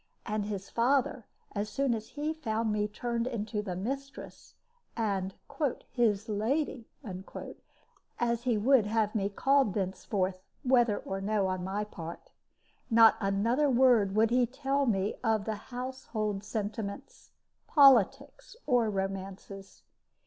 And his father, as soon as he found me turned into the mistress, and "his lady" (as he would have me called thenceforth, whether or no on my part), not another word would he tell me of the household sentiments, politics, or romances.